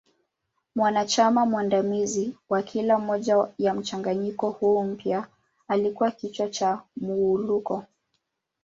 Mwanachama mwandamizi wa kila moja ya mgawanyiko huu mpya alikua kichwa cha Muwuluko.